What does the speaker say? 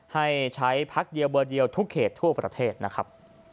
ให้ใช้พักเดียวเบอร์เดียวทุกเขตทั่วประเทศนะครับ